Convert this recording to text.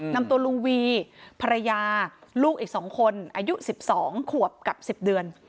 นำตัวลุงวีภรรยาลูกอีก๒คนอายุ๑๒ขวบกับ๑๐เดือน